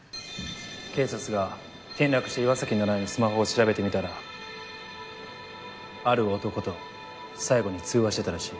警察が転落した岩崎奈々江のスマホを調べてみたらある男と最後に通話してたらしい。